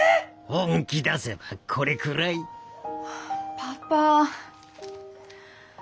パパ。